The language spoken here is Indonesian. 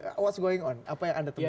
apa yang terjadi apa yang anda temukan